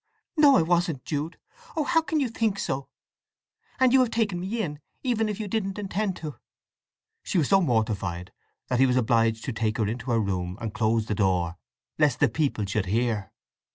"No, I wasn't, Jude. Oh how can you think so! And you have taken me in, even if you didn't intend to." She was so mortified that he was obliged to take her into her room and close the door lest the people should hear.